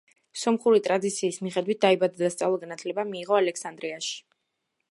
სომხური ტრადიციის მიხედვით, დაიბადა და სწავლა-განათლება მიიღო ალექსანდრიაში.